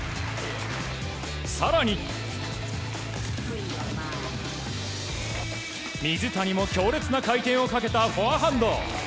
更に水谷も強烈な回転をかけたフォアハンド。